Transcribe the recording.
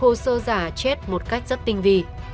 hồ sơ giả chết một cách rất tinh vị